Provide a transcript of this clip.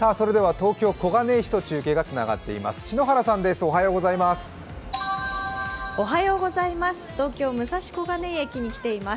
東京・小金井市と中継がつながっています。